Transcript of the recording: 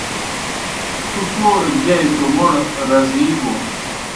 تُوْ کوڑ گہ گِیائے توْ موْڑ رزی بو۔